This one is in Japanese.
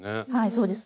そうですね。